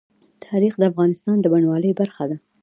تاریخ د افغانستان د بڼوالۍ برخه ده.